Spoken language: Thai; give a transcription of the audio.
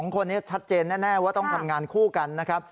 ๒คนนี้ชัดเจนแน่ว่าต้องทำงานคู่กันนะครับ